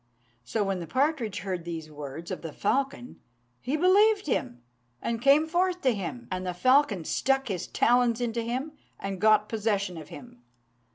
So when the partridge heard these words of the falcon, he believed him and came forth to him; and the falcon stuck his talons into him, and got possession of him.